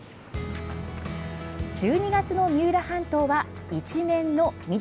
１２月の三浦半島は一面の緑。